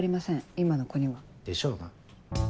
今の子には。でしょうな。